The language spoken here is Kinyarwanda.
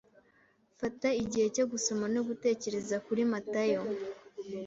Fata igihe cyo gusoma no gutekereza kuri Matayo